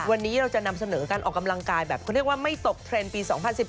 วันนี้เราจะนำเสนอการออกกำลังกายแบบเขาเรียกว่าไม่ตกเทรนด์ปี๒๐๑๘